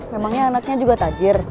memangnya anaknya juga tajir